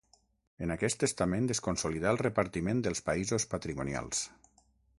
En aquest testament es consolidà el repartiment dels països patrimonials.